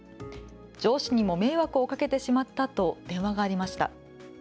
上司にも迷惑をかけてしまったと電話がありました。